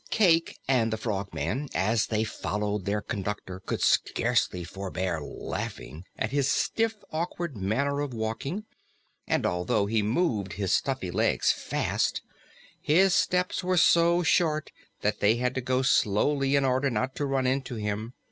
Cayke and the Frogman, as they followed their conductor, could scarce forbear laughing at his stiff, awkward manner of walking, and although he moved his stuffy legs fast, his steps were so short that they had to go slowly in order not to run into him.